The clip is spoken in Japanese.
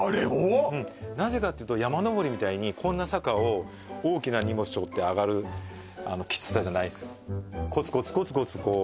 うんなぜかっていうと山登りみたいにこんな坂を大きな荷物しょって上がるキツさじゃないんですよ